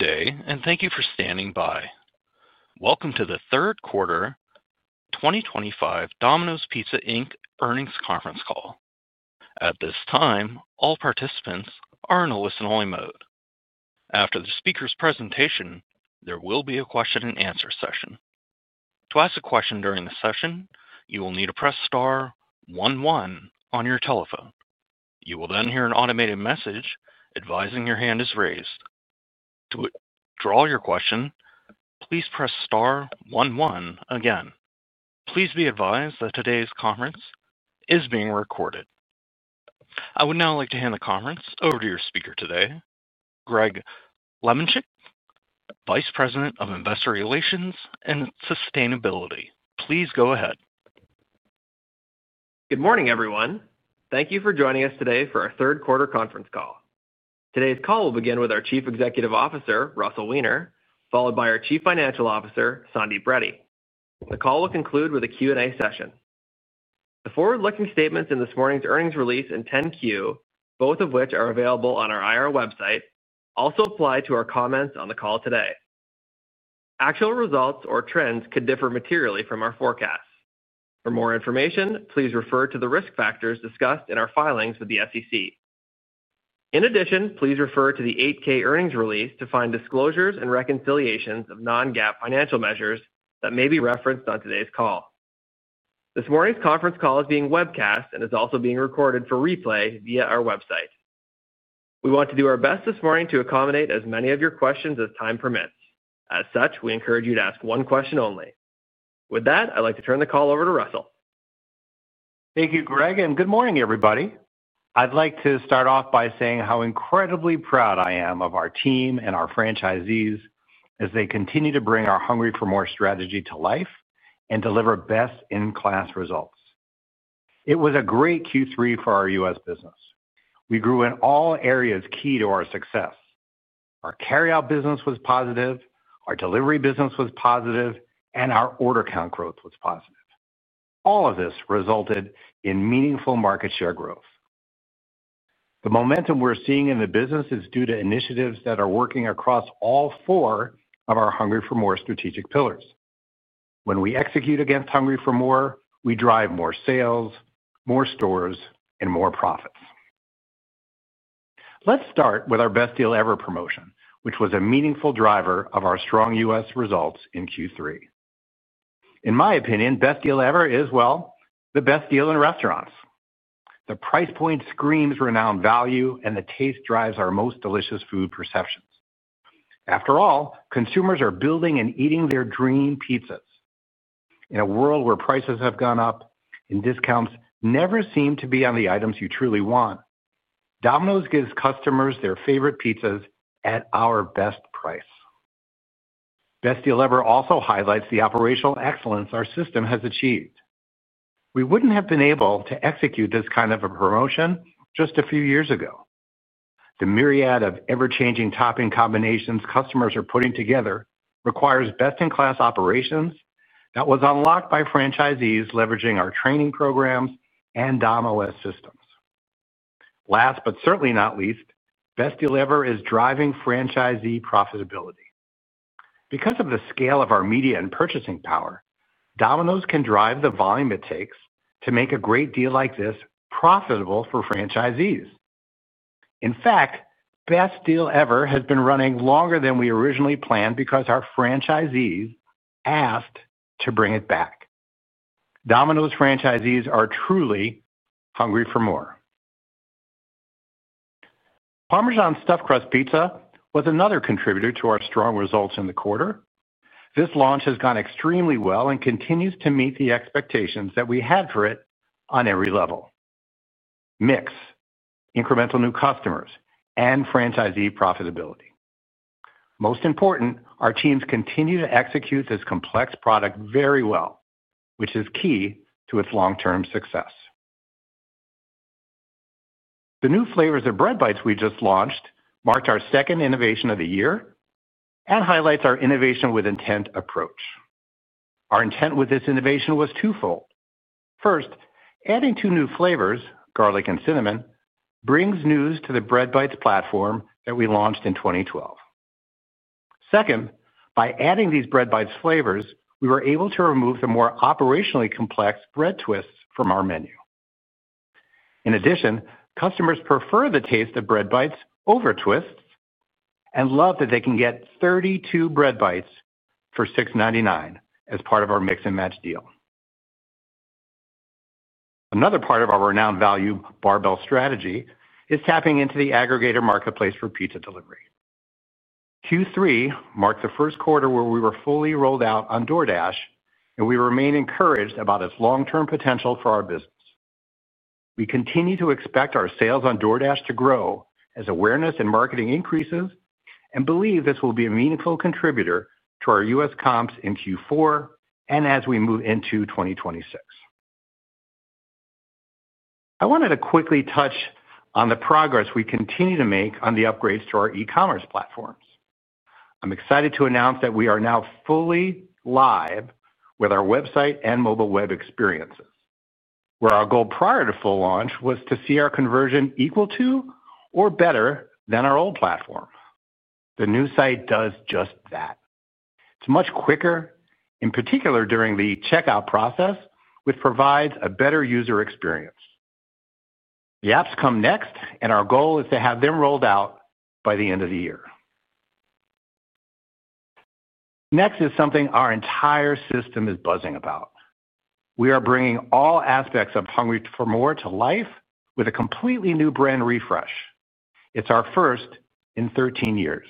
Good day and thank you for standing by. Welcome to the third quarter 2025 Domino's Pizza Inc. Earnings Conference Call. At this time all participants are in a listen only mode. After the speaker's presentation, there will be a question and answer session. To ask a question during the session you will need to press star 11 on your telephone. You will then hear an automated message advising your hand is raised to draw your question. Please press star 11 again. Please be advised that today's conference is being recorded. I would now like to hand the conference over to your speaker today, Greg Lemenchick, Vice President of Investor Relations and Sustainability. Please go ahead. Good morning everyone. Thank you for joining us today for our third quarter conference call. Today's call will begin with our Chief Executive Officer Russell Weiner, followed by our Chief Financial Officer Sandeep Reddy. The call will conclude with a Q and A session. The forward looking statements in this morning's earnings release and 10Q, both of which are available on our IR website, also apply to our comments on the call today. Actual results or trends could differ materially from our forecasts. For more information, please refer to the risk factors discussed in our filings with the SEC. In addition, please refer to the 8K earnings release to find disclosures and reconciliations of non-GAAP financial measures that may be referenced on today's call. This morning's conference call is being webcast and is also being recorded for replay via our website. We want to do our best this morning to accommodate as many of your questions as time permits. As such, we encourage you to ask one question only. With that, I'd like to turn the call over to Russell. Thank you Greg and good morning everybody. I'd like to start off by saying how incredibly proud I am of our team and our franchisees as they continue to bring our Hungry for More strategy to life and deliver best in class results. It was a great Q3 for our U.S. business. We grew in all areas key to our success. Our carryout business was positive, our delivery business was positive and our order count growth was positive. All of this resulted in meaningful market share growth. The momentum we're seeing in the business is due to initiatives that are working across all four of our Hungry for More strategic pillars. When we execute against Hungry for More, we drive more sales, more stores and more profits. Let's start with our Best Deal Ever promotion, which was a meaningful driver of our strong U.S. results in Q3. In my opinion, Best Deal Ever is, well, the best deal in restaurants. The price point screams renowned value, and the taste drives our most delicious food perceptions. After all, consumers are building and eating their dream pizzas in a world where prices have gone up and discounts never seem to be on the items you truly want. Domino's gives customers their favorite pizzas at our best price. Best Deal Ever also highlights the operational excellence our system has achieved. We wouldn't have been able to execute this kind of a promotion just a few years ago. The myriad of ever-changing topping combinations customers are putting together requires best-in-class operations. That was unlocked by franchisees leveraging our training programs and Dom.OS systems. Last but certainly not least, Best Deal Ever is driving franchisee profitability. Because of the scale of our media and purchasing power, Domino's can drive the volume it takes to make a great deal like this profitable for franchisees. In fact, Best Deal Ever has been running longer than we originally planned because our franchisees asked to bring it back. Domino's franchisees are truly hungry for more. Parmesan Stuffed Crust Pizza was another contributor to our strong results in the quarter. This launch has gone extremely well and continues to meet the expectations that we had for it on every level: mix, incremental new customers, and franchisee profitability. Most important, our teams continue to execute this complex product very well, which is key to its long-term success. The new flavors of Bread Bites we just launched marked our second innovation of the year and highlight our innovation with intent approach. Our intent with this innovation was twofold. First, adding two new flavors, garlic and cinnamon, brings news to the Bread Bites platform that we launched in 2012. Second, by adding these Bread Bites flavors, we were able to remove the more operationally complex bread twists from our menu. In addition, customers prefer the taste of Bread Bites over twists and love that they can get 32 Bread Bites for $6.99 as part of our mix and match deal. Another part of our renowned value barbell strategy is tapping into the aggregator marketplace for pizza delivery. Q3 marked the first quarter where we were fully rolled out on DoorDash, and we remain encouraged about its long-term potential for our business. We continue to expect our sales on DoorDash to grow as awareness and marketing increases and believe this will be a meaningful contributor to our U.S. comps in Q4. As we move into 2026, I wanted to quickly touch on the progress we continue to make on the upgrades to our e-commerce platforms. I'm excited to announce that we are now fully live with our website and mobile web experiences, where our goal prior to full launch was to see our conversion equal to or better than our old platform. The new site does just that. It's much quicker, in particular during the checkout process, which provides a better user experience. The apps come next, and our goal is to have them rolled out by the end of the year. Next is something our entire system is buzzing about. We are bringing all aspects of Hungry for More to life with a completely new brand refresh. It's our first in 13 years.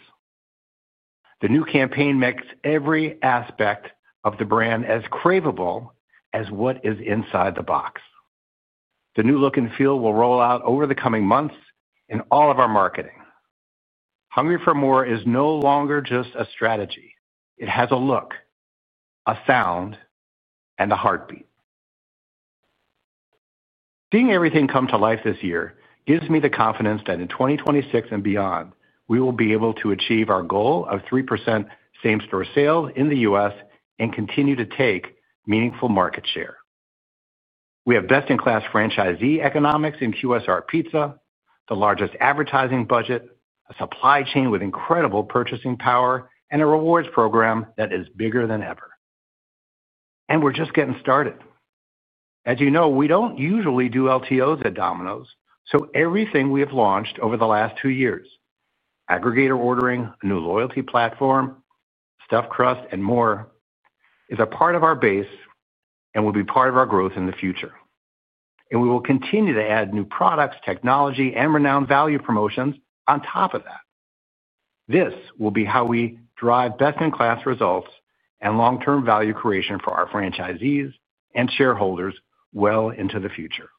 The new campaign makes every aspect of the brand as craveable as what is inside the box. The new look and feel will roll out over the coming months. In all of our marketing, Hungry for More is no longer just a strategy. It has a look, a sound, and a heartbeat. Seeing everything come to life this year gives me the confidence that in 2026 and beyond we will be able to achieve our goal of 3% same store sales in the U.S. and continue to take meaningful market share. We have best in class franchisee economics in QSR pizza, the largest advertising budget, a supply chain with incredible purchasing power, and a rewards program that is bigger than ever. We're just getting started. As you know, we don't usually do LTOs at Domino's, so everything we have launched over the last two years, aggregator, ordering, new loyalty platform, stuffed crust, and more is a part of our base and will be part of our growth in the future. We will continue to add new products, technology, and renowned value promotions on top of that. This will be how we drive best in class results and long term value creation for our franchisees and shareholders well into the future.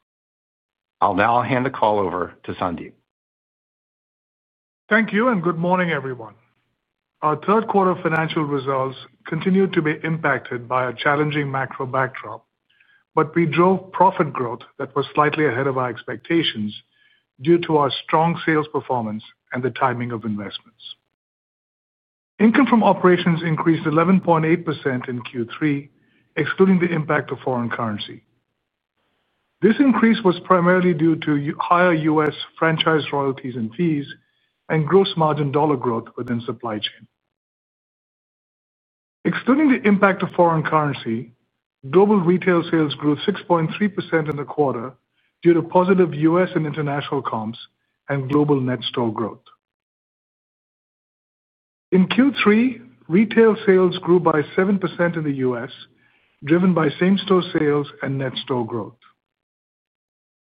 I'll now hand the call over to Sandeep. Thank you and good morning everyone. Our third quarter financial results continued to be impacted by a challenging macro backdrop, but we drove profit growth that was slightly ahead of our expectations due to our strong sales performance and the timing of investments. Income from operations increased 11.8% in Q3 excluding the impact of foreign currency. This increase was primarily due to higher U.S. franchise royalties and fees and gross margin dollar growth within supply chain excluding the impact of foreign currency. Global retail sales grew 6.3% in the quarter due to positive U.S. and international comps and global net store growth. In. Q3 retail sales grew by 7% in the U.S. driven by same store sales and net store growth.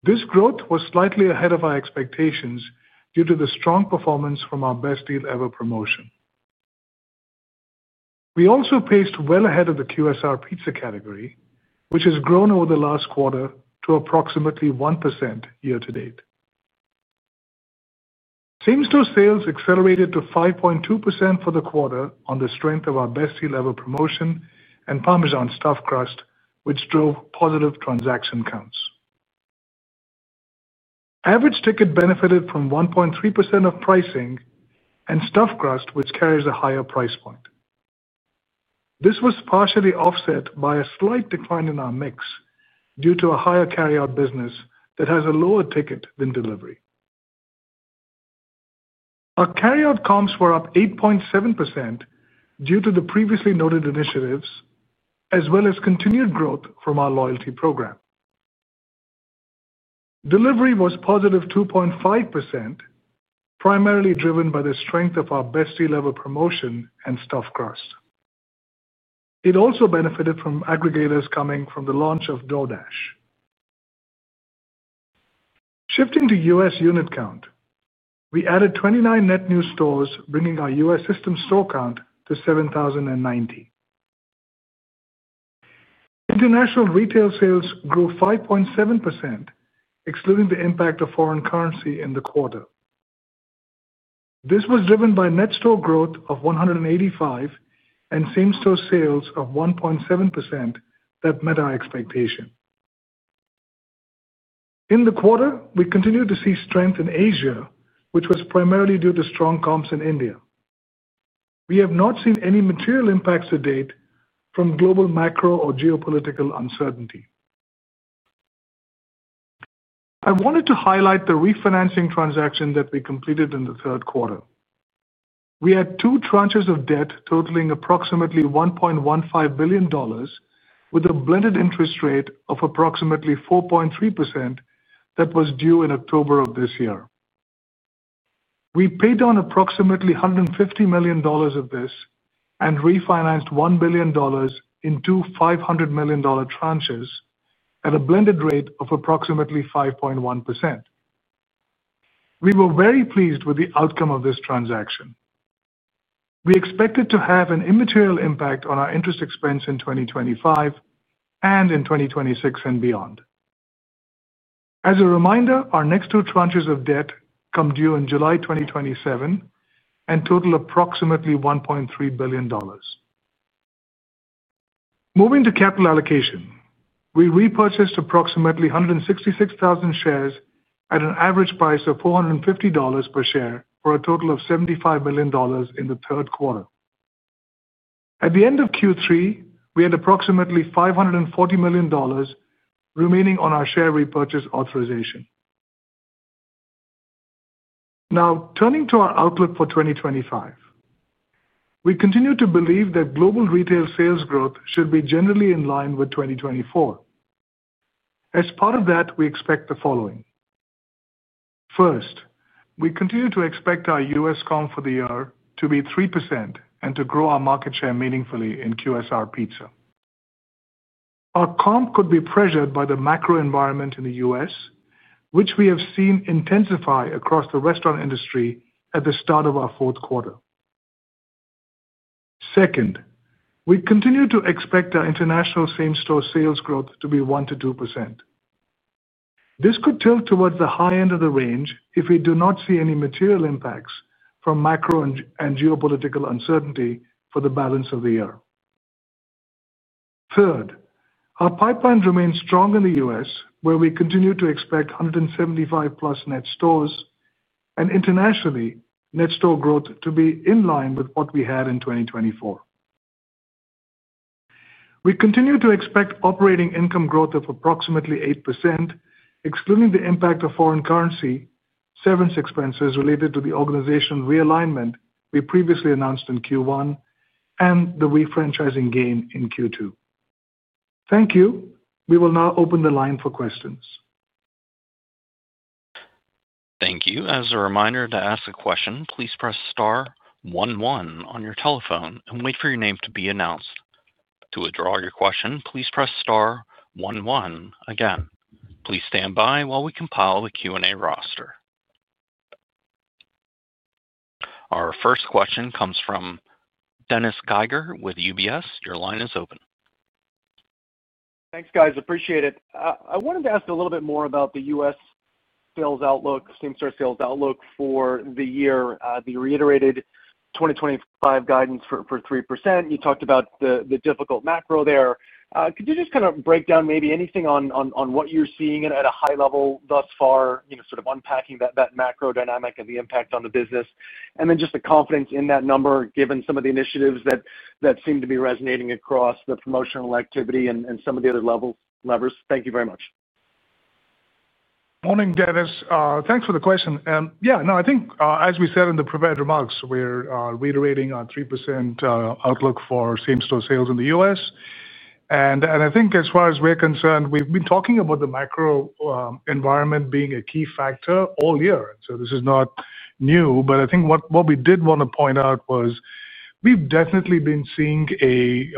This growth was slightly ahead of our expectations due to the strong performance from our Best Deal Ever promotion. We also paced well ahead of the QSR pizza category, which has grown over the last quarter to approximately 1% year to date. Same store sales accelerated to 5.2% for the quarter on the strength of our Best Deal Ever promotion and Parmesan Stuffed Crust Pizza, which drove positive transaction counts. Average ticket benefited from 1.3% of pricing and Stuffed Crust, which carries a higher price point. This was partially offset by a slight decline in our mix due to a higher Domino's carryout business that has a lower ticket than delivery. Our carryout comps were up 8.7% due to the previously noted initiatives as well as continued growth from our Domino's Rewards program. Delivery was positive 2.5%, primarily driven by the strength of our Best Deal Ever promotion and Stuffed Crust. It also benefited from aggregators coming from the launch of DoorDash. Shifting to U.S. unit count, we added 29 net new stores, bringing our U.S. system store count to 7,090. International retail sales grew 5.7% excluding the impact of foreign currency in the quarter. This was driven by net store growth of 185 and same store sales of 1.7% that met our expectation in the quarter. We continue to see strength in Asia, which was primarily due to strong comps in India. We have not seen any material impacts to date from global macro or geopolitical uncertainty. I wanted to highlight the debt refinancing transaction that we completed in the third quarter. We had two tranches of debt totaling approximately $1.15 billion with a blended interest rate of approximately 4.3% that was due in October of this year. We paid on approximately $150 million of this and refinanced $1 billion in two $500 million tranches at a blended rate of approximately 5.1%. We were very pleased with the outcome of this transaction. We expect it to have an immaterial impact on our interest expense in 2025 and in 2026 and beyond. As a reminder, our next two tranches of debt come due in July 2027 and total approximately $1.3 billion. Moving to capital allocation, we repurchased approximately 166,000 shares at an average price of $450 per share for a total of $75 million in the third quarter. At the end of Q3, we had approximately $540 million remaining on our share repurchase authorization. Now turning to our outlook for 2025, we continue to believe that global retail sales growth should be generally in line with 2024. As part of that, we expect the following. First, we continue to expect our U.S. comp for the year to be 3% and to grow our market share meaningfully. In QSR Pizza, our comp could be pressured by the macro environment in the U.S., which we have seen intensify across the restaurant industry at the start of our fourth quarter. Second, we continue to expect our international same store sales growth to be 1% to 2%. This could tilt towards the high end of the range if we do not see any material impacts from macro and geopolitical uncertainty for the balance of the year. Third, our pipeline remains strong in the U.S., where we continue to expect 175 net stores, and internationally net store growth to be in line with what we had in 2024. We continue to expect operating income growth of approximately 8%, excluding the impact of foreign currency, severance expenses related to the organization realignment we previously announced in Q1, and the refranchising gain in Q2. Thank you. We will now open the line for questions. Thank you. As a reminder, to ask a question, please press star 11 on your telephone and wait for your name to be announced. To withdraw your question, please press star 11 again. Please stand by while we compile the Q and A roster. Our first question comes from Dennis Geiger with UBS. Your line is open. Thanks, guys. Appreciate it. I wanted to ask a little bit more about the U.S. sales outlook, same store sales outlook for the year, the reiterated 2025 guidance for 3%. You talked about the difficult macro there. Could you just kind of break down maybe anything on what you're seeing at a high level thus far, sort of unpacking that macro dynamic and the impact on the business, and then just the confidence in that number given some of the initiatives that seem to be resonating across the promotional activity and some of the other levers. Thank you very much. Morning, Dennis. Thanks for the question. Yeah, no, I think as we said in the prepared remarks, we're reiterating our 3% outlook for same store sales in the U.S. and I think as far as we're concerned, we've been talking about the macro environment being a key factor all year. This is not new. I think what we did want to point out was we've definitely been seeing a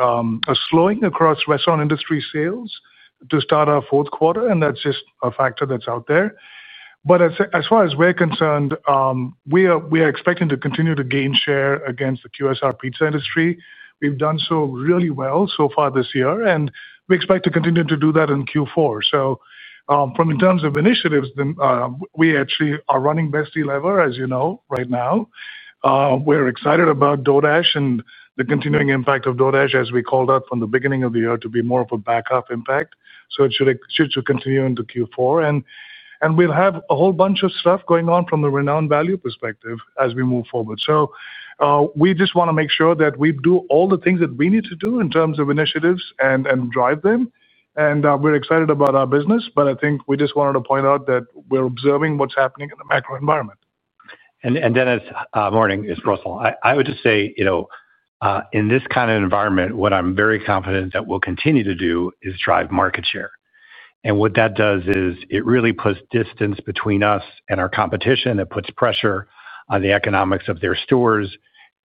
slowing across restaurant industry sales to start our fourth quarter, and that's just a factor that's out there. As far as we're concerned, we are expecting to continue to gain share against the QSR pizza industry. We've done so really well so far this year, and we expect to continue to do that in Q4. In terms of initiatives, we actually are running Best Deal Ever. As you know, right now we're excited about DoorDash and the continuing impact of DoorDash, as we called out from the beginning of the year to be more of a backup impact. It should continue into Q4, and we'll have a whole bunch of stuff going on from the renowned value perspective as we move forward. We just want to make sure that we do all the things that we need to do in terms of initiatives and drive them. We're excited about our business. I think we just wanted to point out that we're observing what's happening in the macro environment. Dennis, good morning. I would just say in this kind of environment, what I'm very confident that we'll continue to do is drive market share. What that does is it really puts distance between us and our competition. It puts pressure on the economics of their stores.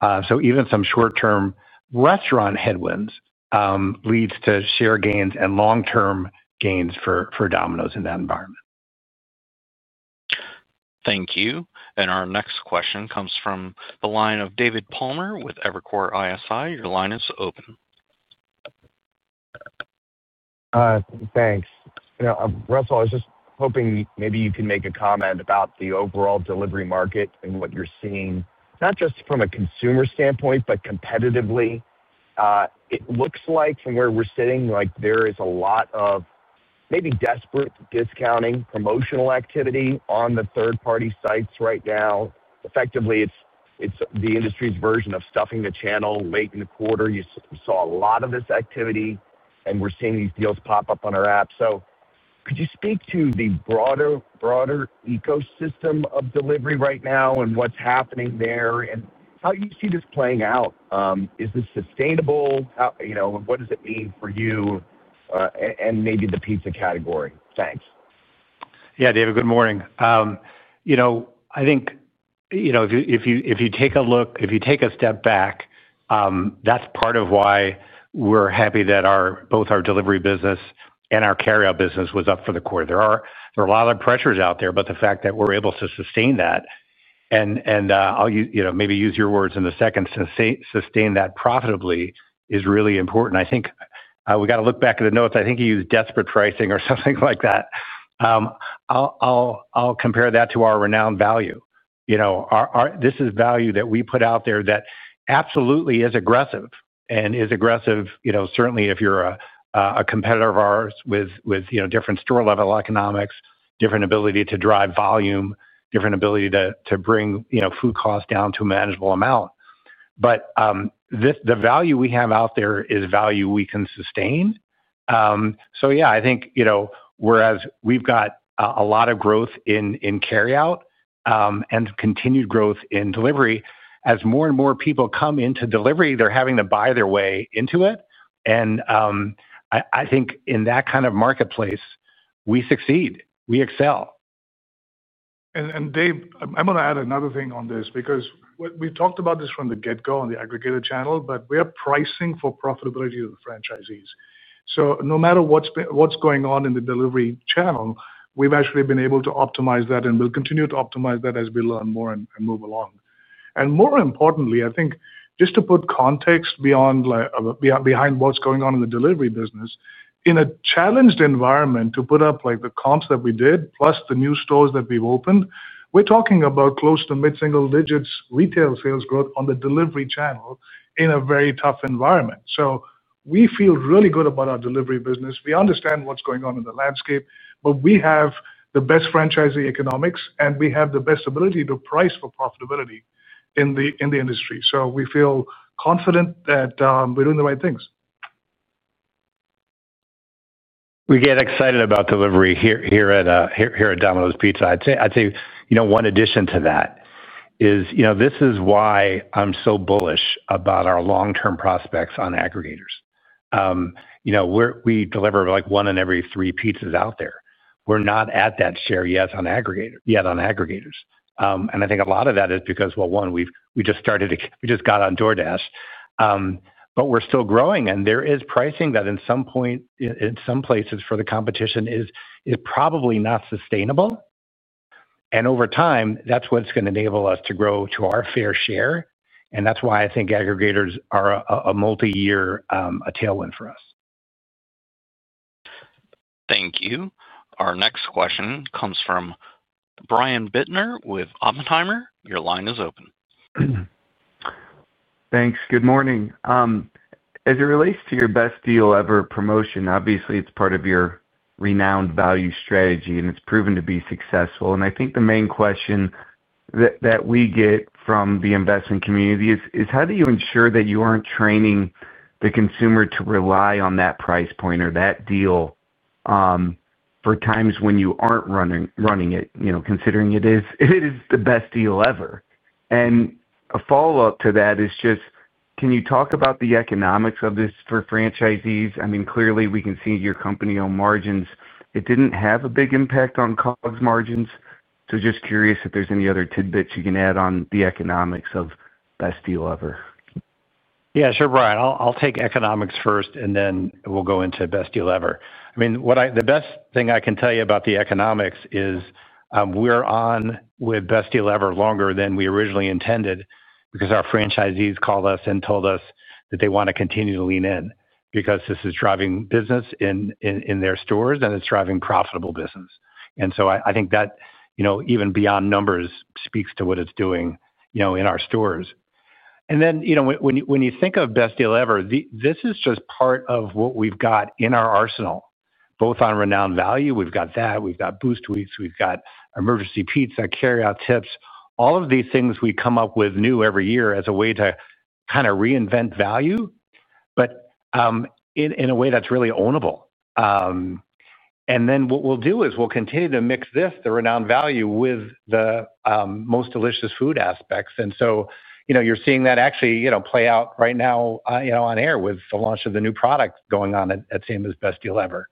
Even some short-term restaurant headwinds lead to share gains and long-term gains for Domino's in that environment. Thank you. Our next question comes from the line of David Palmer with Evercore ISI. Your line is open. Thanks, Russell. I was just hoping maybe you can make a comment about the overall delivery market and what you're seeing not just from a consumer standpoint, but competitively. It looks like from where we're sitting, there is a lot of maybe desperate discounting promotional activity on the third-party sites right now. Effectively, it's the industry's version of stuffing the channel. Late in the quarter you saw a lot of this activity and we're seeing these deals pop up on our app. Could you speak to the broader ecosystem of delivery right now and what's happening there and how you see this playing out? Is this sustainable? What does it mean for you and maybe the pizza category? Thanks. Yeah, David, good morning. If you take a look, if you take a step back, that's part of why we're happy that both our delivery business and our carryout business were up for the quarter. There are a lot of pressures out there, but the fact that we're able to sustain that, and I'll maybe use your words in a second, sustain that profitably is really important. We got to look back at the notes. I think you used desperate pricing or something like that. I'll compare that to our renowned value. This is value that we put out there that absolutely is aggressive and is aggressive. Certainly, if you're a competitor of ours with different store-level economics, different ability to drive volume, different ability to bring food costs down to a manageable amount, but the value we have out there is value we can sustain. I think whereas we've got a lot of growth in carryout and continued growth in delivery, as more and more people come into delivery, they're having to buy their way into it. In that kind of marketplace, we succeed, we excel. Dave, I'm going to add another thing on this because we talked about this from the get go on the aggregator channel, but we are pricing for profitability of the franchisees. No matter what's going on in the delivery channel, we've actually been able to optimize that and we'll continue to optimize that as we learn more and move along. More importantly, I think just to put context behind what's going on in the delivery business, in a challenged environment, to put up the comps that we did, plus the new stores that we've opened, we're talking about close to mid single digits retail sales growth on the delivery channel in a very tough environment. We feel really good about our delivery business. We understand what's going on in the landscape, but we have the best franchisee economics and we have the best ability to price for profitability in the industry. We feel confident that we're doing the right things. We get excited about delivery here at Domino's Pizza. I'd say one addition to that is this is why I'm so bullish about our long term prospects. On aggregators, we deliver one in every three pizzas out there. We're not at that share yet on aggregators. I think a lot of that is because, one, we just got on DoorDash, but we're still growing and there is pricing that in some places for the competition is probably not sustainable. Over time, that's what's going to enable us to grow to our fair share. That's why I think aggregators are a multi year tailwind for us. Thank you. Our next question comes from Brian Bittner with Oppenheimer. Your line is open. Thanks. Good morning. As it relates to your Best Deal Ever promotion, obviously it's part of your renowned value strategy and it's proven to be successful. I think the main question that we get from the investment community is how do you ensure that you aren't training the consumer to rely on that price point or that deal for times when you aren't running it, considering it is the Best Deal Ever. A follow up to that is just, can you talk about the economics of this for franchisees? I mean, clearly we can see your company owned margins. It didn't have a big impact on COGS margins. Just curious if there's any other tidbits you can add on the economics of Best Deal Ever. Yeah, sure, Brian. I'll take economics first and then we'll go into Best Deal Ever. The best thing I can tell you about the economics is we're on with Best Deal Ever longer than we originally intended because our franchisees called us and told us that they want to continue to lean in because this is driving business in their stores and it's driving profitable business. I think that even beyond numbers speaks to what it's doing in our stores. When you think of Best Deal Ever, this is just part of what we've got in our arsenal, both on renowned value. We've got that, we've got Boost Weeks, we've got Emergency Pizza, carryout tips. All of these things we come up with new every year as a way to kind of reinvent value, but in a way that's really ownable. What we'll do is we'll continue to mix this, the renowned value, with the most delicious food aspects. You're seeing that actually play out right now on air with the launch of the new product going on at same as Best Deal Ever.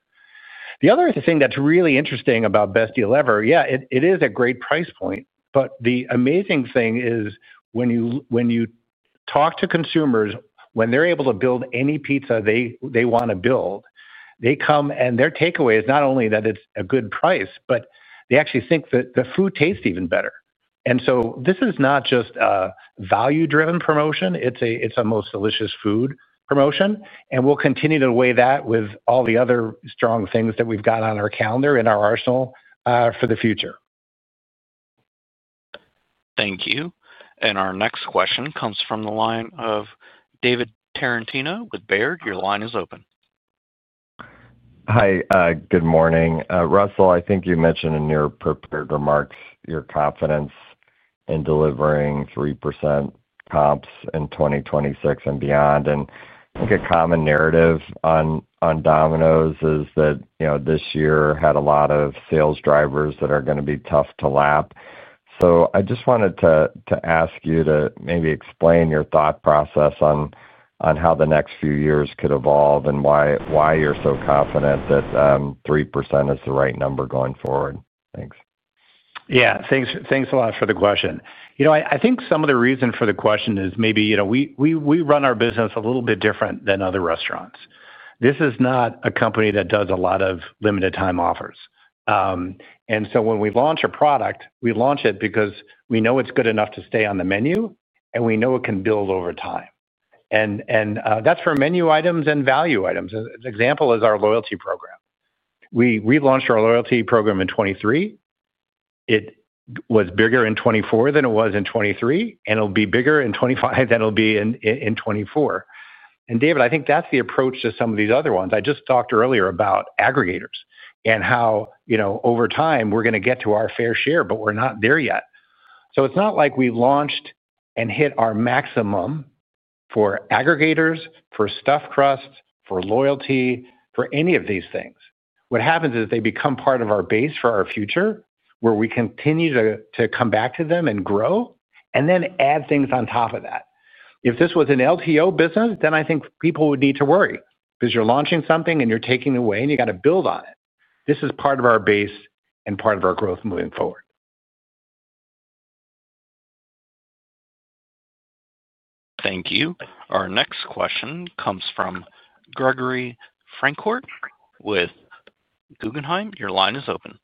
The other thing that's really interesting about Best Deal Ever, yeah, it is a great price point. The amazing thing is when you talk to consumers, when they're able to build any pizza they want to build, they come and their takeaway is not only that it's a good price, but they actually think that the food tastes even better. This is not just a value driven promotion, it's a most delicious food promotion. We'll continue to weigh that with all the other strong things that we've got on our calendar in our arsenal for the future. Thank you. Our next question comes from the line of David Tarantino with Baird. Your line is open. Hi, good morning, Russell. I think you mentioned in your prepared remarks your confidence in delivering 3% comps in 2026 and beyond. A common narrative on Domino's is that this year had a lot of sales drivers that are going to be tough to lap. I just wanted to ask you to maybe explain your thought process on how the next few years could evolve and why you're so confident that 3% is the right number going forward. Thanks. Yeah, thanks a lot for the question. I think some of the reason for the question is maybe we run our business a little bit different than other restaurants. This is not a company that does a lot of limited time offers. When we launch a product, we launch it because we know it's good enough to stay on the menu and we know it can build over time. That's for menu items and value items. An example is our loyalty program. We relaunched our loyalty program in 2023. It was bigger in 2024 than it was in 2023, and it'll be bigger in 2025 than it'll be in 2024. David, I think that's the approach to some of these other ones. I just talked earlier about aggregators and how over time we're going to get to our fair share, but we're not there yet. It's not like we launched and hit our maximum for aggregators for stuff, trust for loyalty for any of these things. What happens is they become part of our base for our future, where we continue to come back to them and grow and then add things on top of that. If this was an LTO business, then I think people would need to worry because you're launching something and you're taking away and you got to build on it. This is part of our base and part of our growth moving forward. Thank you. Our next question comes from Gregory Frankhort with Guggenheim. Your line is open.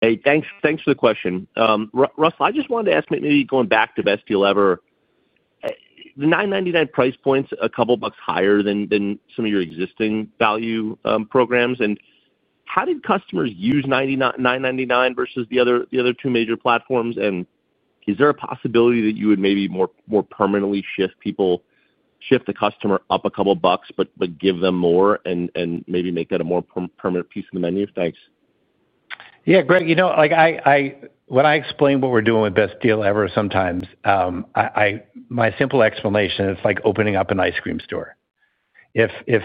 Hey, thanks for the question, Russell. I just wanted to ask, maybe going back to Best Deal Ever, the $9.99 price point is a couple bucks higher than some of your existing value programs. How did customers use 999 versus the other two major platforms? Is there a possibility that you would maybe more permanently shift the customer up a couple bucks, but give them more and maybe make that a more permanent piece of the menu? Thanks. Yeah. Greg, you know, when I explain what we're doing with Best Deal Ever, sometimes my simple explanation, it's like opening up an ice cream store.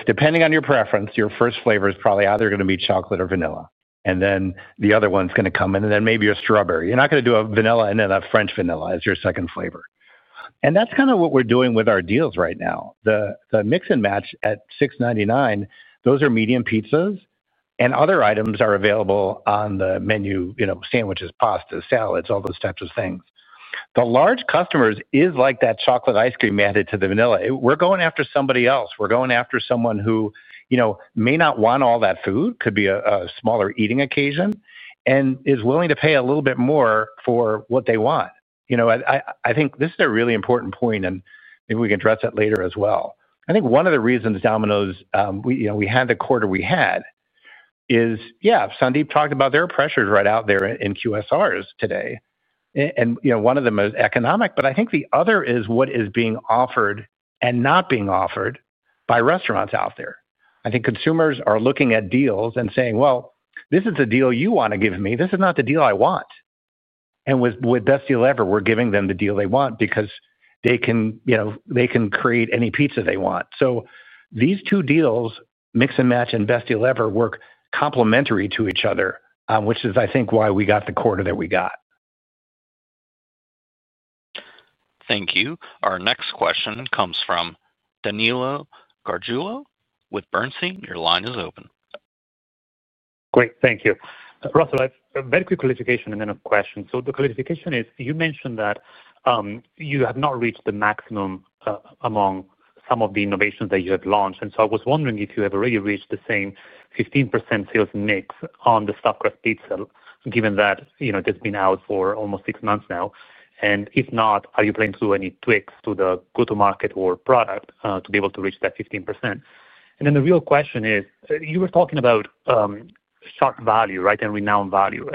Depending on your preference, your first flavor is probably either going to be chocolate or vanilla and then the other one's going to come in and then maybe a strawberry. You're not going to do a vanilla and then a French vanilla as your second flavor. That's kind of what we're doing with our deals right now. The mix and match at $6.99. Those are medium pizzas and other items are available on the menu. Sandwiches, pasta, salads, all those types of things. The large customers is like that chocolate ice cream added to the vanilla. We're going after somebody else. We're going after someone who may not want all that food, could be a smaller eating occasion and is willing to pay a little bit more for what they want. I think this is a really important point. Maybe we can address that later as well. I think one of the reasons Domino's we had the quarter we had is. Yeah, Sandeep talked about their pressures right out there in QSRs today. One of them is economic, but I think the other is what is being offered and not being offered by restaurants out there. I think consumers are looking at deals and saying, this is the deal you want to give me. This is not the deal I want. With Best Deal Ever, we're giving them the deal they want because they can, you know, they can create any pizza they want. These two deals, mix and match and Best Deal Ever, work complementary to each other, which is, I think, why we got the quarter that we got. Thank you. Our next question comes from Danilo Gargiulo with Bernstein. Your line is open. Great, thank you. Russell, a very quick clarification and then a question. The clarification is you mentioned that you have not reached the maximum among some of the innovations that you have launched. I was wondering if you have already reached the same 15% sales mix on the stuffed crust pizza, given that, you know, it has been out for almost six months now. If not, are you planning to do any tweaks to the go to market or product to be able to reach that 15%? The real question is, you were talking about sharp value, right? And renowned value.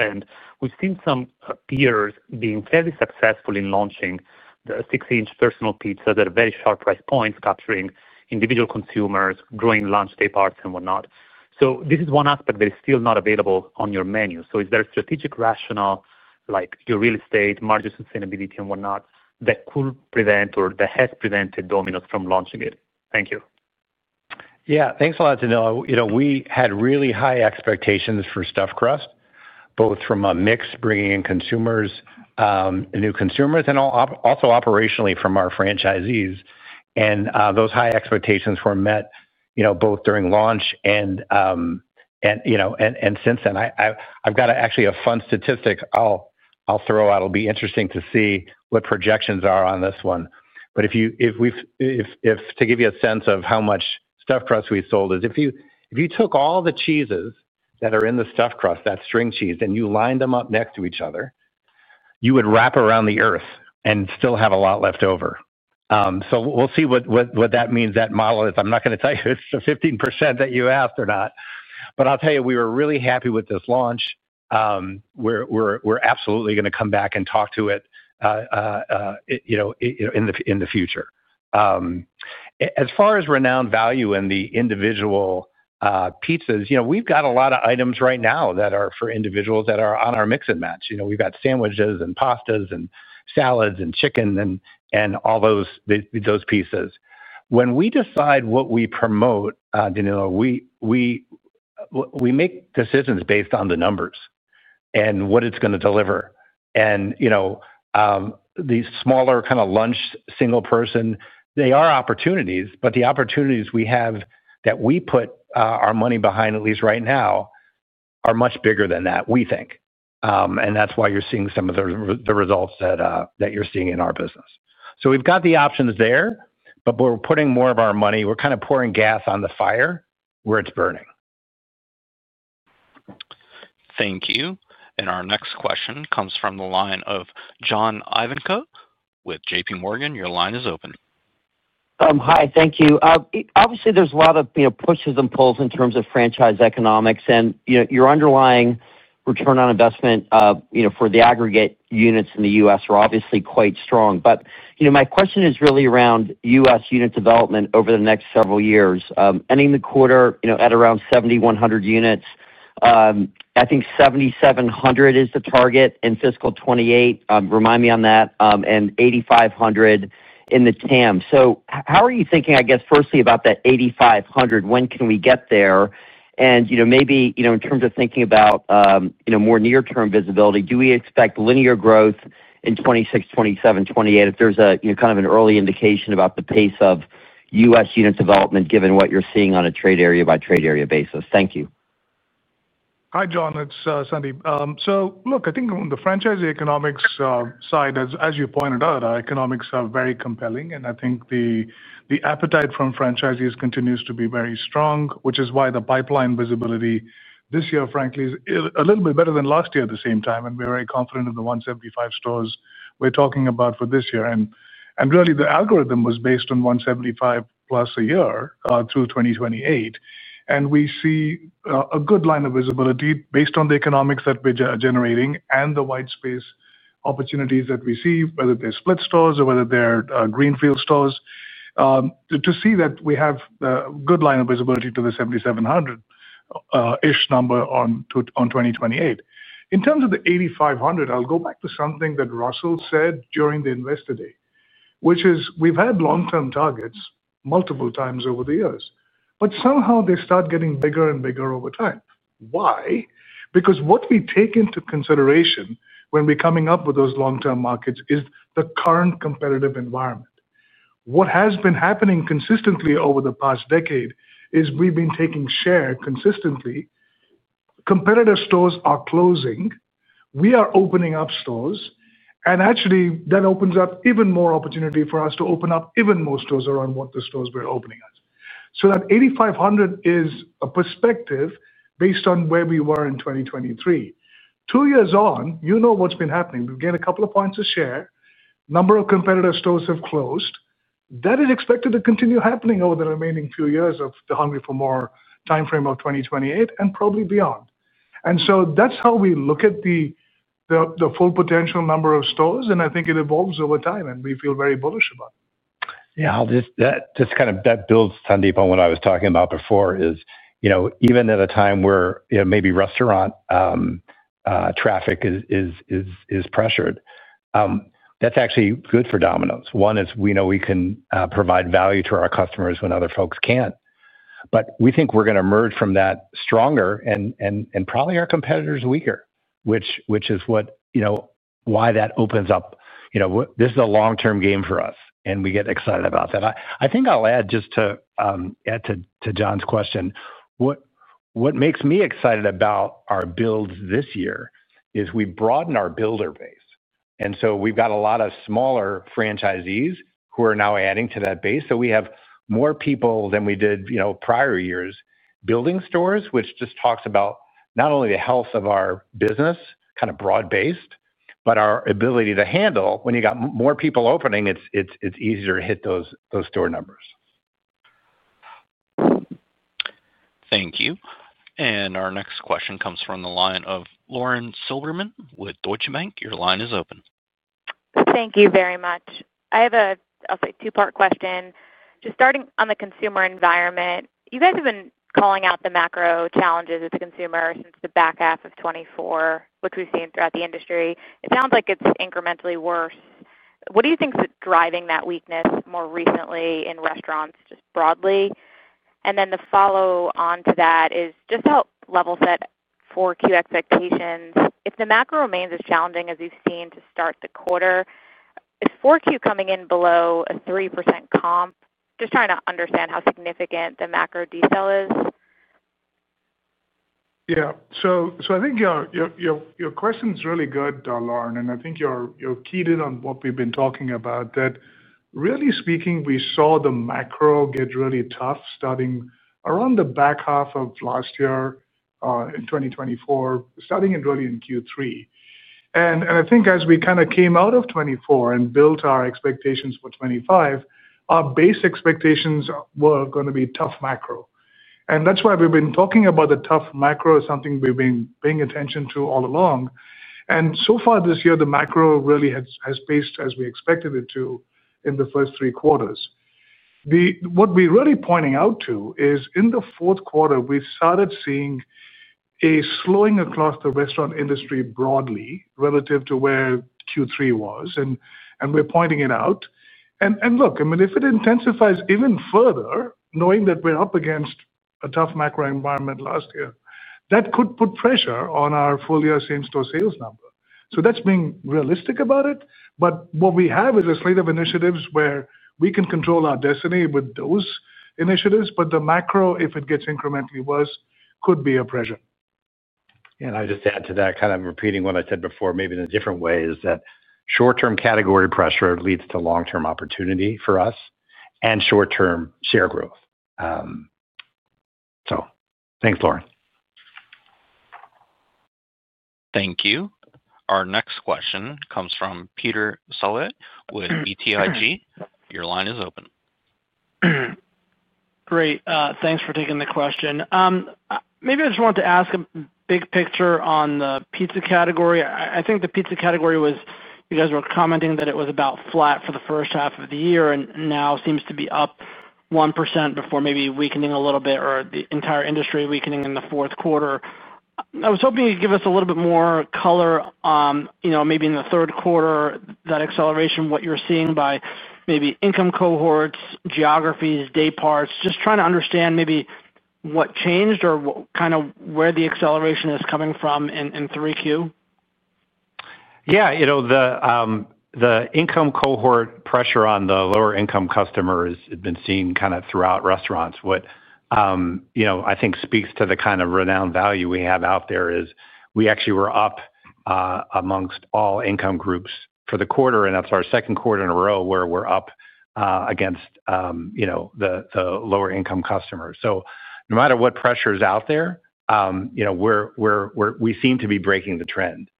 We've seen some peers being fairly successful in launching the 6 inch personal pizza that are very sharp price points, capturing individual consumers, growing lunch day parts and whatnot. This is one aspect that is still not available on your menu. Is there a strategic rationale like your real estate margin, sustainability and whatnot that could prevent or that has prevented Domino's from launching it? Thank you. Yeah, thanks a lot, Danilo. We had really high expectations for stuffed crust, both from a mix bringing in consumers, new consumers, and also operationally from our franchisees. Those high expectations were met, both during launch and since then. I've got actually a fun statistic I'll throw out. It'll be interesting to see what projections are on this one. If you, if we, to give you a sense of how much stuffed crust we sold, if you took all the cheeses that are in the stuffed crust, that string cheese, and you lined them up next to each other, you would wrap around the earth and still have a lot left over. We'll see what that means that model is, I'm not going to tell you it's 15% that you asked or not. I'll tell you, we were really happy with this launch. We're absolutely going to come back and talk to it in the future. As far as renowned value and the individual pizzas, we've got a lot of items right now that are for individuals that are on our mix and match. We've got sandwiches and pastas and salads and chicken and all those pieces. When we decide what we promote, Danilo, we make decisions based on the numbers and what it's going to deliver. These smaller kind of lunch, single person, they are opportunities. The opportunities we have that we put our money behind, at least right now, are much bigger than that we think. That's why you're seeing some of the results that you're seeing in our business. We've got the options there, but we're putting more of our money. We're kind of pouring gas on the fire where it's burning. Thank you. Our next question comes from the line of John Ivankoe with JP Morgan. Your line is open. Hi. Thank you. Obviously there's a lot of pushes and pulls in terms of franchise economics and your underlying return on investment for the aggregate units in the U.S. are obviously quite strong. My question is really around U.S. unit development over the next several years. Years ending the quarter at around 7,100 units. I think 7,700 is the target in fiscal 2028. Remind me on that. And 8,500 in the TAM. How are you thinking, I guess firstly, about that 8,500? When can we get there? Maybe in terms of thinking about more near-term visibility, do we expect linear growth in 2026, 2027, 2028 if there's an early indication about the pace of U.S. unit development, given what you're seeing on a trade area by trade area basis. Thank you. Hi John, it's Sandeep. I think on the franchisee economics side, as you pointed out, economics are very compelling and I think the appetite from franchisees continues to be very strong, which is why the pipeline visibility this year, frankly, is a little bit better than last year at the same time. We're very confident in the 175 stores talking about for this year. The algorithm was based on 175 plus a year through 2028. We see a good line of visibility based on the economics that we are generating and the white space opportunities that we see, whether they're split stores or whether they're greenfield stores, to see that we have good line of visibility to the 7,700ish number on 2028 in terms of the 8,500. I'll go back to something that Russell said during the investor day, which is we've had long term targets multiple times over the years, but somehow they start getting bigger and bigger over time. Why? Because what we take into consideration when we're coming up with those long-term markets is the current competitive environment. What has been happening consistently over the past decade is we've been taking share consistently. Competitor stores are closing, we are opening up stores, and actually that opens up even more opportunity for us to open up even more stores around what the stores were opening us. That 8,500 is a perspective based on where we were in 2023. Two years on, you know what's been happening, we've gained a couple of points of share, number of competitor stores have closed. That is expected to continue happening over the remaining few years of the Hungry for More time frame of 2028 and probably beyond. That's how we look at the full potential number of stores. I think it evolves over time and we feel very bullish about it. Yeah, that builds, Sandeep, on what I was talking about before. Even at a time where maybe restaurant traffic is pressured, that's actually good for Domino's. One is we know we can provide value to our customers when other folks can't. We think we're going to emerge from that stronger and probably our competitors weaker, which is why that opens up. This is a long term game for us and we get excited about that. I think I'll add, just to add to John's question, what makes me excited about our builds this year is we broaden our builder base. We've got a lot of smaller franchisees who are now adding to that base. We have more people than we did prior years building stores, which just talks about not only the health of our business, kind of broad based, but our ability to handle. When you got more people opening, it's easier to hit those store numbers. Thank you. Our next question comes from the line of Lauren Silberman with Deutsche Bank. Your line is open. Thank you very much. I have a two part question just starting on the consumer environment. You guys have been calling out the macro challenges at the consumer since the back half of 2024, which we've seen throughout the industry. It sounds like it's incrementally worse. What do you think is driving that weakness more recently in restaurants just broadly? The follow on to that is just how level set 4Q expectations. If the macro remains as challenging as you've seen to start the quarter, is 4Q coming in below a 3% comp? Just trying to understand how significant the macro decel is. Yeah. I think your question's really good, Lauren, and I think you're keyed in on what we've been talking about that really, speaking, we saw the macro get really tough starting around the back half of last year in 2024, starting really in Q3. I think as we kind of came out of 2024 and built our expectations for 2025, our base expectations were going to be tough macro. That's why we've been talking about the tough macro as something we've been paying attention to all along. So far this year, the macro really has paced as we expected it to in the first three quarters. What we're really pointing out is in the fourth quarter we started seeing a slowing across the restaurant industry broadly relative to where Q3 was. We're pointing it out. Look, I mean if it intensifies even further, knowing that we're up against a tough macro environment last year, that could put pressure on our full year same store sales number. That's being realistic about it. What we have is a slate of initiatives where we can control our destiny with those initiatives. The macro, if it gets incrementally worse, could be a pressure. I just add to that, kind of repeating what I said before, maybe in a different way, that short term category pressure leads to long term opportunity for us and short term share growth. Thanks, Lauren. Thank you. Our next question comes from Peter Saleh with BTIG. Your line is open. Great, thanks for taking the question. Maybe I just wanted to ask a big picture on the pizza category. I think the pizza category was, you guys were commenting that it was about flat for the first half of the year and now seems to be up 1% before maybe weakening a little bit or the entire industry weakening in the fourth quarter. I was hoping you could give us. A little bit more color maybe in the third quarter, that acceleration, what you're seeing by maybe income cohorts, geographies, dayparts. Just trying to understand maybe what changed or kind of where the acceleration is coming from in 3Q. Yeah, the income cohort pressure on the lower income customers had been seen kind of throughout restaurants. What you know, I think speaks to the kind of renowned value we have out there is we actually were up amongst all income groups for the quarter, and that's our second quarter in a row where we're up against, you know, the lower income customers. No matter what pressure is out there, you know, we seem to be breaking the trend.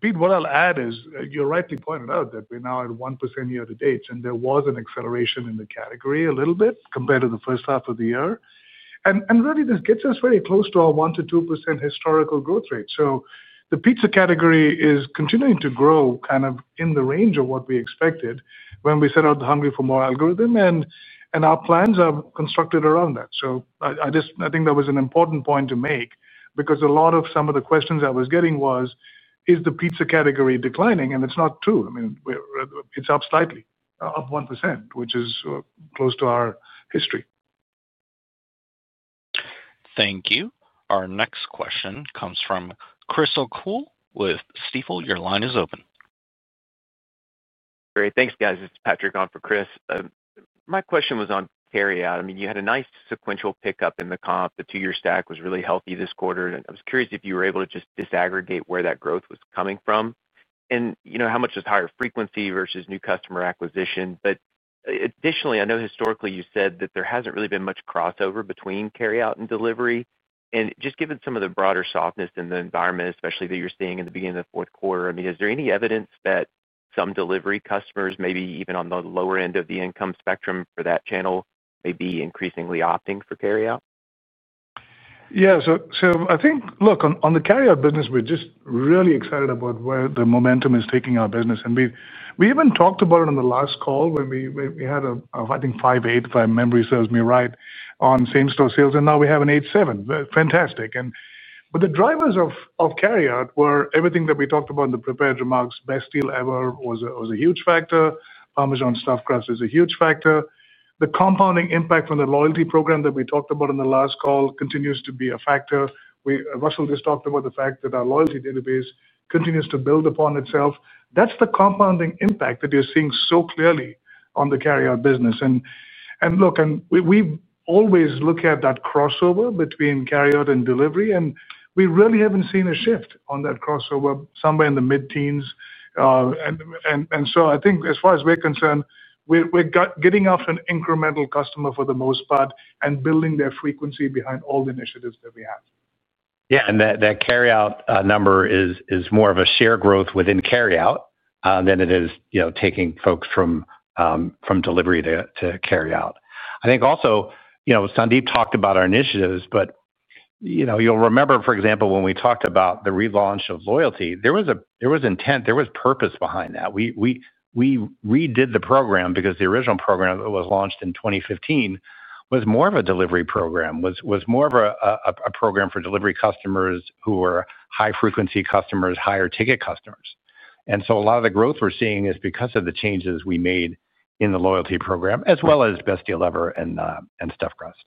Pete, what I'll add is you rightly pointed out that we're now at 1% year to date, and there was an acceleration in the category a little bit compared to the first half of the year. This gets us very close to our 1% to 2% historical growth rate. The pizza category is continuing to grow kind of in the range of what we expected when we set out the Domino’s “Hungry for More” strategy, and our plans are constructed around that. I think that was an important point to make because a lot of some of the questions I was getting was is the pizza category declining? It's not true. It's up slightly, up 1%, which is close to our history. Thank you. Our next question comes from Chris O'Cull with Stifel. Your line is open. Great, thanks guys. It's Patrick on for Chris. My question was on carryout. I mean you had a nice sequential pickup in the comp. The two year stack was really healthy this quarter. I was curious if you were able to just disaggregate where that growth was coming from and how much is higher frequency versus new customer acquisition. Additionally, I know historically you said that there hasn't really been much crossover between carryout and delivery. Just given some of the broader softness in the environment, especially that you're seeing in the beginning of the fourth quarter, I mean, is there any evidence that some delivery customers, maybe even on the lower end of the income spectrum for that channel, may be increasingly opting for carryout. Yeah, so I think, look, on the carryout business, we're just really excited about where the momentum is taking our business. We even talked about it on the last call when we had a fighting 5.8%, if my memory serves me right, on same store sales. Now we have an 8.7%. Fantastic. The drivers of carryout were everything that we talked about in the prepared remarks. Best Deal Ever was a huge factor. Parmesan Stuffed Crust is a huge factor. The compounding impact from the loyalty program that we talked about in the last call continues to be a factor. Russell just talked about the fact that our loyalty database continues to build upon itself. That's the compounding impact that you're seeing so clearly on the carryout business. We always look at that crossover between carryout and delivery, and we really haven't seen a shift on that crossover, somewhere in the mid teens. I think as far as we're concerned, we're getting off an incremental customer for the most part and building their frequency behind all the initiatives that we have. Yeah, and that carryout number is more of a share growth within carryout than it is taking folks from delivery to carryout. I think also Sandeep talked about our initiatives, but you'll remember, for example, when we talked about the relaunch of loyalty, there was intent, there was purpose behind that. We redid the program because the original program that was launched in 2015 was more of a delivery program, was more of a program for delivery customers who were high frequency customers, higher ticket customers. A lot of the growth we're seeing is because of the changes we made in the loyalty program as well as Best Deal Ever and Stuffed Crust.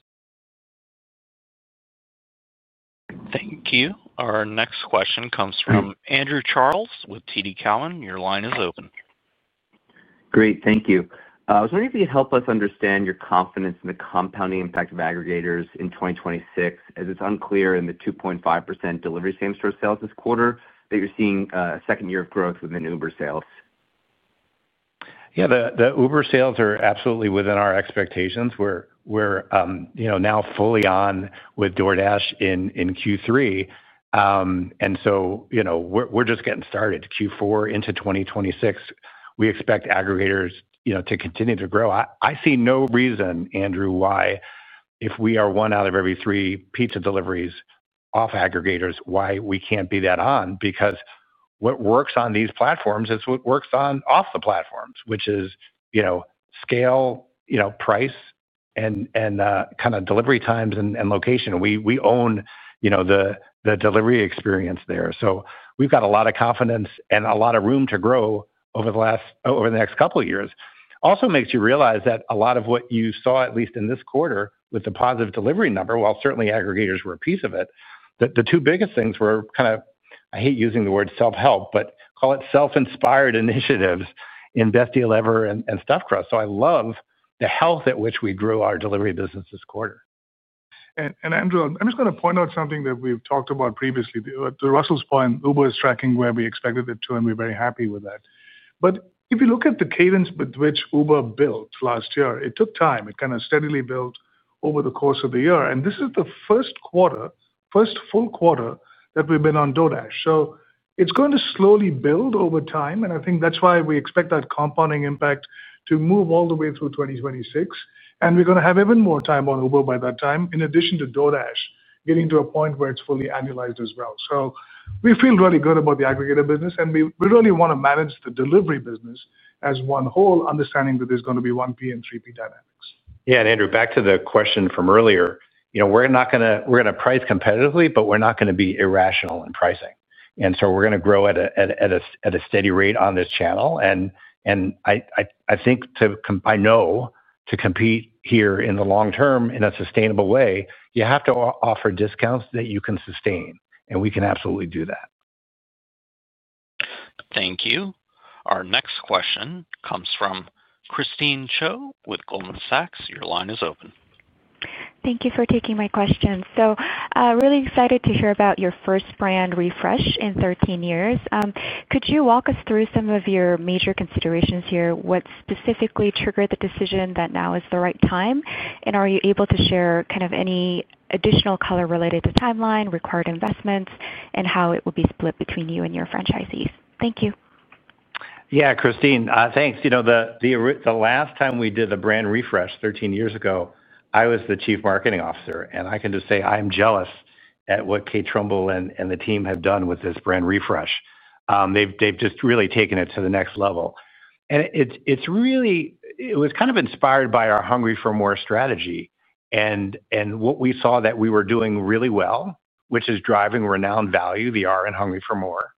Thank you. Our next question comes from Andrew Charles with TD Cowen. Your line is open. Great, thank you. I was wondering if you could help us understand your confidence in the compounding impact of aggregators in 2026 as it's unclear in the 2.5% delivery same store sales this quarter that you're seeing second year of growth within Uber sales. Yeah, the Uber sales are absolutely within our expectations. We're now fully on with DoorDash in Q3 and we're just getting started Q4 into 2026. We expect aggregators to continue to grow. I see no reason, Andrew, why if we are one out of every three pizza deliveries off aggregators, why we can't be that on. What works on these platforms is what works off the platforms, which is scale, price, and kind of delivery times and location. We own the delivery experience there. We've got a lot of confidence and a lot of room to grow over the next couple of years. It also makes you realize that a lot of what you saw, at least in this quarter with the positive delivery number, while certainly aggregators were a piece of it, the two biggest things were kind of, I hate using the word self help, but call it self inspired initiatives in Best Deal Ever and Stuffed Crust. I love the health at which we grew our delivery business this quarter. Andrew, I'm just going to point out something that we've talked about previously to Russell's point. Uber is tracking where we expected it to and we're very happy with that. If you look at the cadence with which Uber built last year, it took time. It kind of steadily built over the course of the year. This is the first full quarter that we've been on DoorDash, so it's going to slowly build over time. I think that's why we expect that compounding impact to move all the way through 2026, and we're going to have even more time on Uber by that time, in addition to DoorDash getting to a point where it's fully annualized as well. We feel really good about the aggregator business and we really want to manage the delivery business as one whole, understanding that there's going to be 1P and 3P dynamics. Yeah. Andrew, back to the question from earlier. You know, we are going to price competitively, but we are not going to be irrational in pricing. We are going to grow at a steady rate on this channel. I think I know to compete here in the long term in a sustainable way, you have to offer discounts that you can sustain. We can absolutely do that. Thank you. Our next question comes from Christine Cho with Goldman Sachs. Your line is open. Thank you for taking my question. Really excited to hear about your first brand refresh in 13 years. Could you walk us through some of your major considerations here? What specifically triggered the decision that now is the right time, and are you able to share any additional color related to timeline, required investments, and how it will be split between you and your franchisees? Thank you. Yeah, Christine, thanks. The last time we did the brand refresh, 13 years ago, I was the Chief Marketing Officer. I can just say I am jealous at what Kate Trumbull and the team have done with this brand refresh. They have just really taken it to the next level. It was inspired by our Hungry for More strategy and what we saw that we were doing really well, which is driving renowned value, the R in Hungry for More.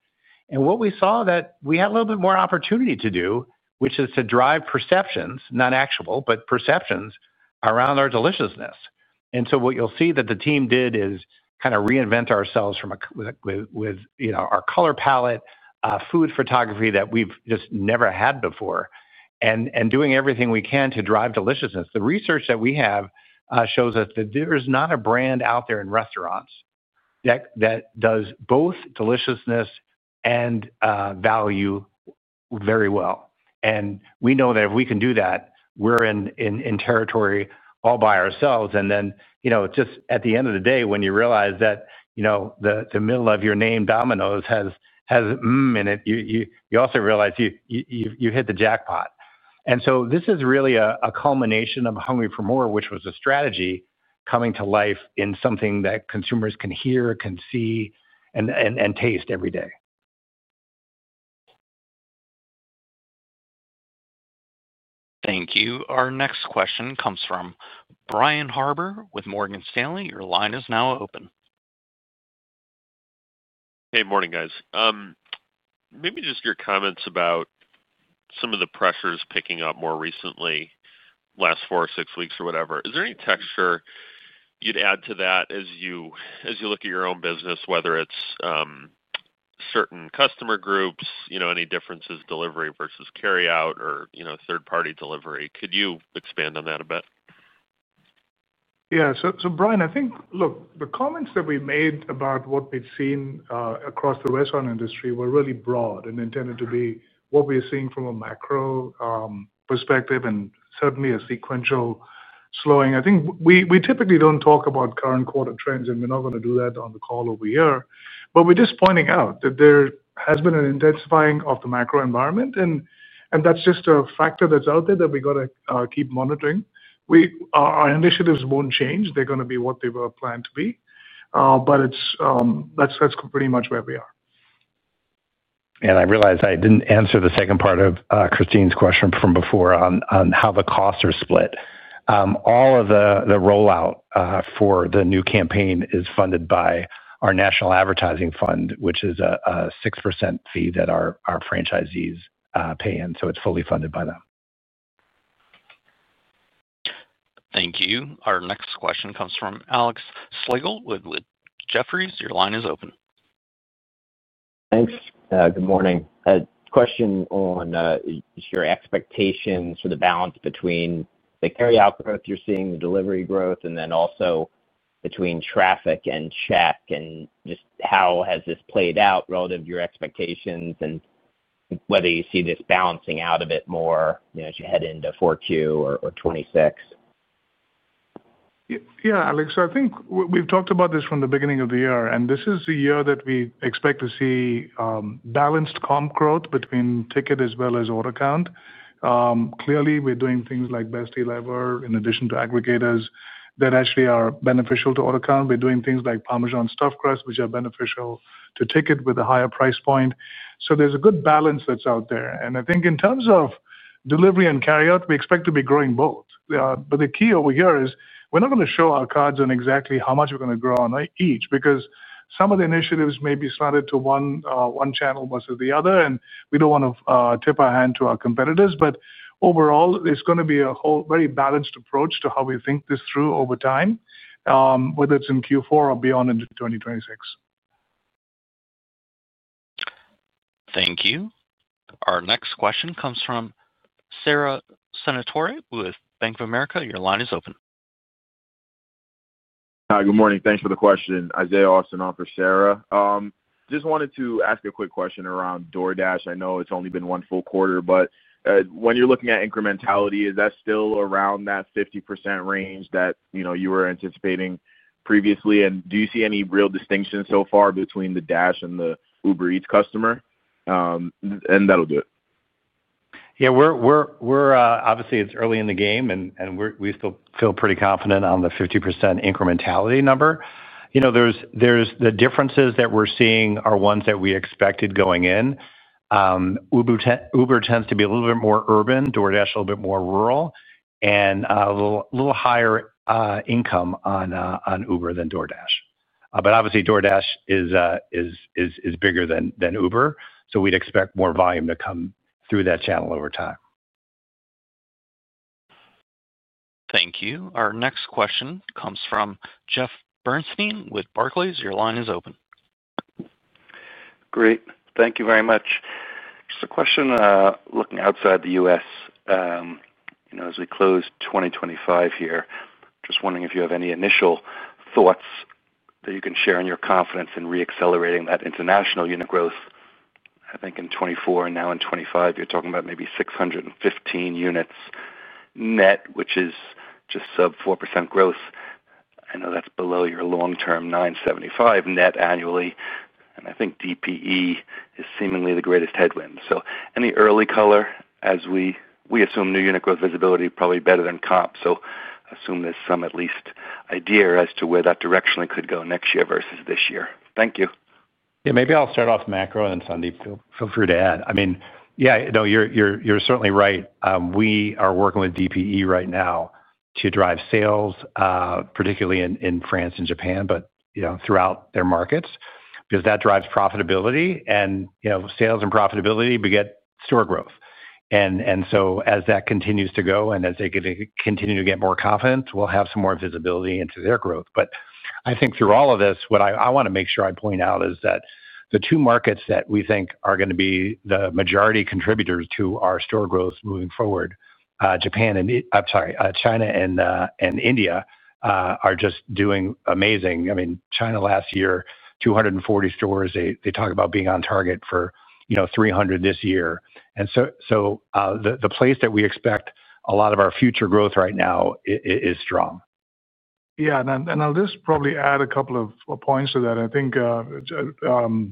What we saw that we had a little bit more opportunity to do, which is to drive perceptions, not actionable, but perceptions around our deliciousness. What you will see that the team did is reinvent ourselves with our color palette, food photography that we have just never had before, and doing everything we can to drive deliciousness. The research that we have shows us that there is not a brand out there in restaurants that does both deliciousness and value very well. We know that if we can do that, we are in territory all by ourselves. At the end of the day, when you realize that the middle of your name, Domino's, has mmm in it, you also realize you hit the jackpot. This is really a culmination of Hungry for More, which was a strategy coming to life in something that consumers can hear, can see, and taste every day. Thank you. Our next question comes from Brian Harbour with Morgan Stanley. Your line is now open. Hey, morning guys. Maybe just your comments about some of the pressures picking up more recently, last four or six weeks or whatever. Is there any texture you would add to that as you look at your own business, whether it is certain customer groups, any differences, delivery versus carryout or third party delivery? Could you expand on that a bit? Yeah. Brian, I think, look, the comments that we made about what we've seen across the restaurant industry were really broad and intended to be what we're seeing from a macro perspective and certainly a sequential slowing. I think we typically don't talk about current quarter trends and we're not going to do that on the call over here, but we're just pointing out that there has been an intensifying of the macro environment and that's just a factor that's out there that we got to keep monitoring. Our initiatives won't change. They're going to be what they were planned to be. That's pretty much where we are. I realize I didn't answer the second part of Christine's question from before on how the costs are split. All of the rollout for the new campaign is funded by our national advertising fund, which is a 6% fee that our franchisees pay in, so it's fully funded by them. Thank you. Our next question comes from Alex Sligle with Jefferies. Your line is open. Thanks. Good morning. Question on your expectations for the balance between the carryout growth you're seeing, the delivery growth, and then also between traffic and check. Just how has this played out relative to your expectations and whether you see this balancing out a bit more as you head into 4Q or 2026? Yeah, Alex, I think we've talked about this from the beginning of the year, and this is the year that we expect to see balanced comp growth between ticket as well as order count. Clearly, we're doing things like Best Deal Ever in addition to aggregators that actually are beneficial to order count. We're doing things like Parmesan Stuffed Crust Pizza, which are beneficial to ticket with a higher price point. There's a good balance that's out there. I think in terms of delivery and carryout, we expect to be growing both. The key over here is we're not going to show our cards on exactly how much we're going to grow on each because some of the initiatives may be slotted to one channel versus the other, and we don't want to tip our hand to our competitors. Overall, it's going to be a whole very balanced approach to how we think this through over time, whether it's in Q4 or beyond into 2026. Thank you. Our next question comes from Sarah Senatori with Bank of America. Your line is open. Hi, good morning. Thanks for the question. Isaiah Austin on for Sarah. Just wanted to ask a quick question around DoorDash. I know it's only been one full quarter, but when you're looking at incrementality, is that still around that 50% range that you were anticipating previously? Do you see any real distinction so far between the Dash and the Uber Eats customer and that'll do it? Yeah. Obviously it's early in the game and we still feel pretty confident on the 50% incrementality number. The differences that we're seeing are ones that we expected going in. Uber tends to be a little bit more urban, DoorDash a little bit more rural, and a little higher income on Uber than DoorDash. Obviously DoorDash is bigger than Uber, so we'd expect more volume to come through that channel over time. Thank you. Our next question comes from Jeff Bernstein with Barclays. Your line is open. Great. Thank you very much. Just a question. Looking outside the U.S. as we close 2025 here, just wondering if you have any initial thoughts that you can share in your confidence in re-accelerating that international unit growth. I think in 2024 and now in 2025 you're talking about maybe 615 units net, which is just sub 4% growth. I know that's below your long-term 975 net annually and I think Domino’s Pizza Enterprises is seemingly the greatest headwind. Any early color as we assume new unit growth, visibility probably better than comp. Assume there's some at least idea as to where that direction could go next year versus this year. Thank you. Maybe I'll start off macro and then Sandeep, feel free to add. You're certainly right. We are working with Domino’s Pizza Enterprises right now to drive sales, particularly in France and Japan, but throughout their markets because that drives profitability and sales, and profitability begets store growth as that continues to go. As they continue to get more confident, we'll have some more visibility into their growth. Through all of this, what I want to make sure I point out is that the two markets that we think are going to be the majority contributors to our store growth moving forward, China and India, are just doing amazing. China last year, 240 stores, they talk about being on target for 300 this year. The place that we expect a lot of our future growth right now is strong. Yeah. I'll just probably add a couple of points to that. I think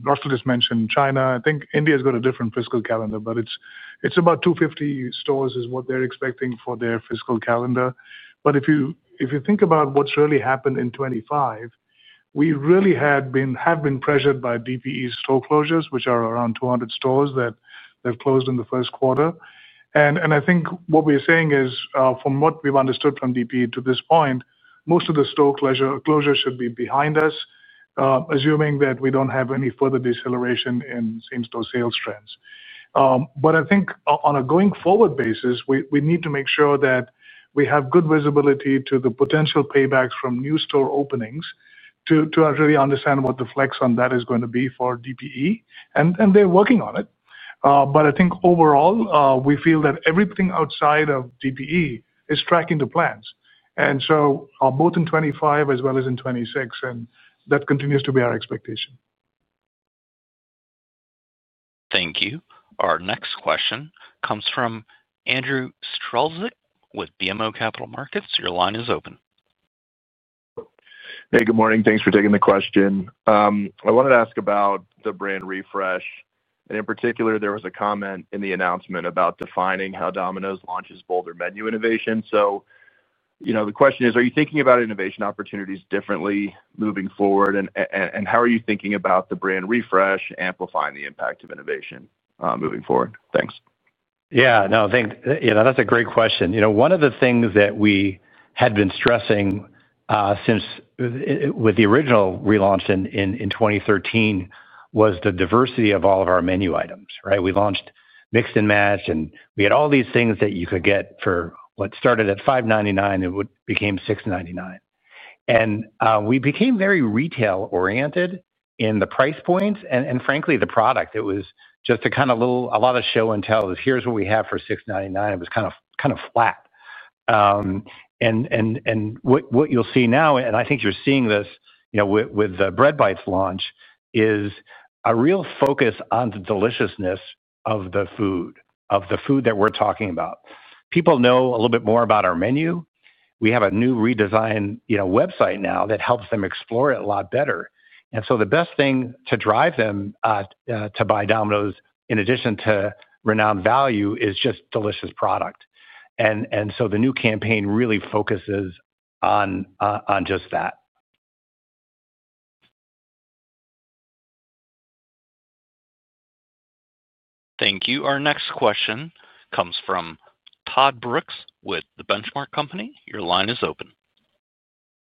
Russell just mentioned China. I think India has got a different fiscal calendar, but it's about 250 stores is what they're expecting for their fiscal calendar. If you think about what's really happened in 2025, we really have been pressured by Domino’s Pizza Enterprises store closures, which are around 200 stores that closed in the first quarter. I think what we're saying is from what we've understood from Domino’s Pizza Enterprises to this point, most of the store closures should be behind us, assuming that we don't have any further deceleration in same store sales trends. I think on a going forward basis, we need to make sure that we have good visibility to the potential paybacks from new store openings to really understand what the flex on that is going to be for Domino’s Pizza Enterprises. They're working on it. I think overall we feel that everything outside of Domino’s Pizza Enterprises is tracking the plans, both in 2025 as well as in 2026, and that continues to be our expectation. Thank you. Our next question comes from Andrew Strelczyk with BMO Capital Markets. Your line is open. Hey, good morning. Thanks for taking the question. I wanted to ask about the brand refresh and in particular there was a comment in the announcement about defining how Domino's launches bolder menu innovation. The question is, are you thinking about innovation opportunities differently moving forward? How are you thinking about the brand refresh amplifying the impact of innovation moving forward? Thanks. Yeah, no thanks. That's a great question. One of the things that we had been stressing since the original relaunch in 2013 was the diversity of all of our menu items. We launched Mix and Match and we had all these things that you could get for what started at $5.99, it became $6.99 and we became very retail oriented in the price points and frankly the product. It was just a kind of little, a lot of show and tell. Here's what we have for $6.99. It was kind of flat and what you'll see now, and I think you're seeing this with the Bread Bites launch, is a real focus on the deliciousness of the food that we're talking about. People know a little bit more about our menu. We have a new redesigned website now that helps them explore it a lot better. The best thing to drive them to buy Domino's in addition to renowned value is just delicious product. The new campaign really focuses on just that. Thank you. Our next question comes from Todd Brooks with The Benchmark Company. Your line is open.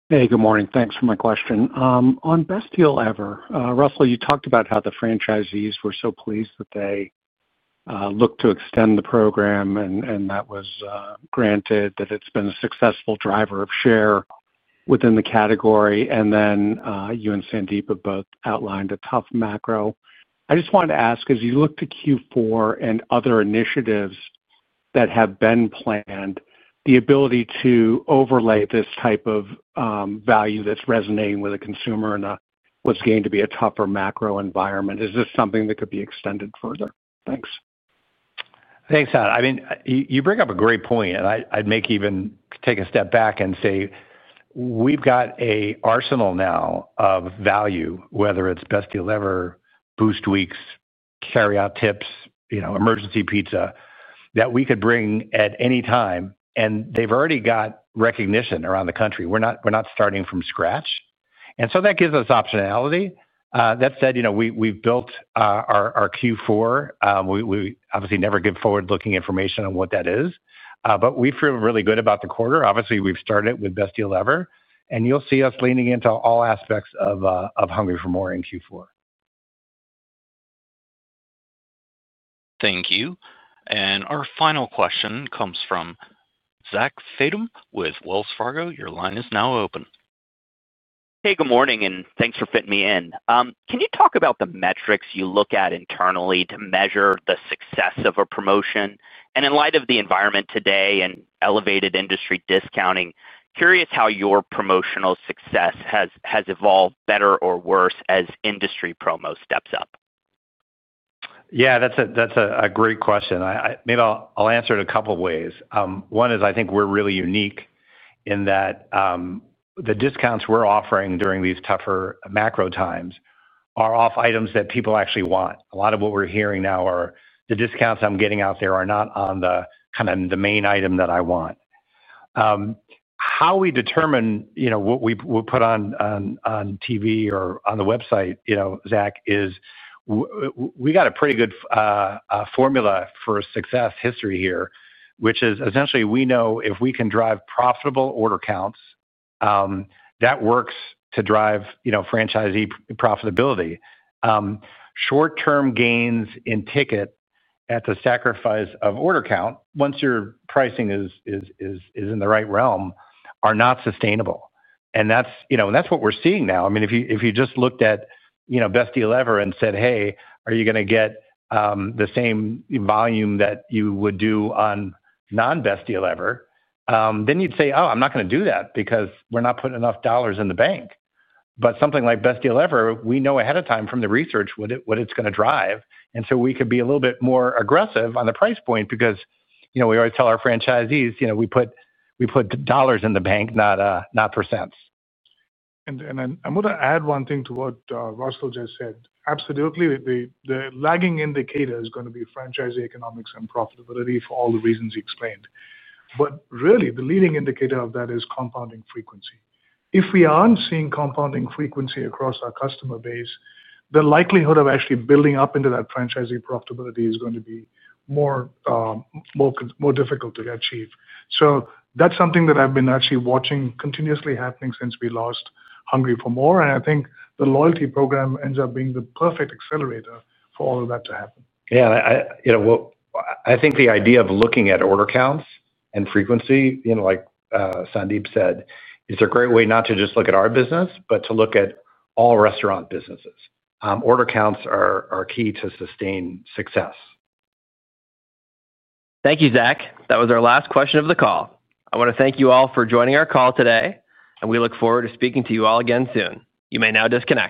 Hey, good morning. Thanks for my question on Best Deal Ever. Russell, you talked about how the franchisees were so pleased that they looked to extend the program and that was granted, that it's been a successful driver of share within the category. You and Sandeep have both outlined a tough macro. I just wanted to ask, as you look to Q4 and other initiatives that have been planned, the ability to overlay this type of value that's resonating with a consumer and what's going to be a tougher macro environment, is this something that could be extended further? Thanks. Thanks. I mean, you bring up a great point and I'd even take a step back and say we've got an arsenal now of value, whether it's Best Deal Ever, Boost Weeks, carryout tips, Emergency Pizza that we could bring at any time and they've already got recognition around the country. We're not starting from scratch and that gives us optionality. That said, we've built our Q4. We obviously never give forward-looking information on what that is, but we feel really good about the quarter. Obviously we've started with Best Deal Ever and you'll see us leaning into all aspects of Hungry for More in Q4. Thank you. Our final question comes from Zach Fatem with Wells Fargo. Your line is now open. Hey, good morning and thanks for fitting me in. Can you talk about the metrics you look at internally to measure the success of a promotion? In light of the environment today and elevated industry discounting, curious how your promotional success has evolved, better or worse, as industry promo steps up? Yeah, that's a great question. Maybe I'll answer it a couple ways. One is I think we're really unique in that the discounts we're offering during these tougher macro times are off items that people actually want a lot of. What we're hearing now is the discounts I'm getting out there are not on the main item that I want. How we determine what we put on TV or on the website, Zach, is we've got a pretty good formula for success history here, which is essentially we know if we can drive profitable order counts that works to drive franchisee profitability. Short-term gains in ticket at the sacrifice of order count, once your pricing is in the right realm, are not sustainable. That's what we're seeing now. If you just looked at Best Deal Ever and said, hey, are you going to get the same volume that you would do on non-Best Deal Ever? You'd say, oh, I'm not going to do that because we're not putting enough dollars in the bank. Something like Best Deal Ever, we know ahead of time from the research what it's going to drive. We could be a little bit more aggressive on the price point because we always tell our franchisees we put dollars in the bank, not %. I'm going to add one thing to what Russell just said. Absolutely. The lagging indicator is going to be franchisee economics and profitability for all the reasons explained. The leading indicator of that is compounding frequency. If we aren't seeing compounding frequency across our customer base, the likelihood of actually building up into that franchisee profitability is going to be more difficult to achieve. That's something that I've been actually watching continuously happening since we launched Hungry for More. I think the loyalty program ends up being the perfect accelerator for all of that to happen. Yeah, I think the idea of looking at order counts and frequency, like Sandeep said, is a great way not to just look at our business, but to look at all restaurant businesses. Order counts are key to sustained success. Thank you, Zach. That was our last question of the call. I want to thank you all for joining our call today and we look forward to speaking to you all again soon. You may now disconnect.